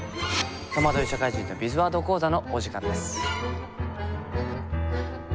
「とまどい社会人のビズワード講座」のお時間です。